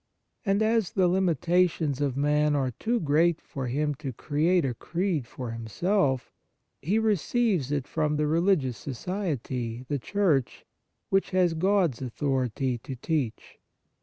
And as the limitations of man are too great for him to create a Creed for himself, he receives it from the religious society, the Church, which has God's authority to teach.